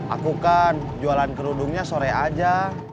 aku kan jualan kerudungnya sore aja